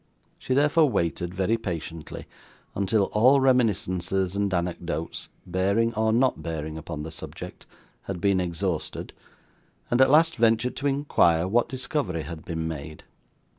She therefore waited, very patiently, until all reminiscences and anecdotes, bearing or not bearing upon the subject, had been exhausted, and at last ventured to inquire what discovery had been made.